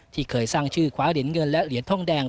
ที่เคยสร้างชื่อคว้าเหรียญเงินและเหรียญทองแดง